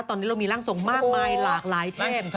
ตอนนี้เรามีร่างทรงมากมายหลากหลายเทพ